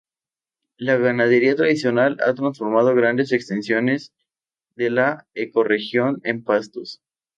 La ganadería tradicional ha transformado grandes extensiones de la ecorregión en pastos.